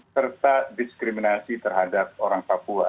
serta diskriminasi terhadap orang papua